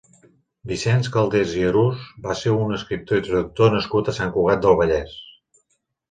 Vicenç Caldés i Arús va ser un escriptor i traductor nascut a Sant Cugat del Vallès.